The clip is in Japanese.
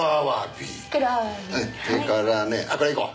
はい。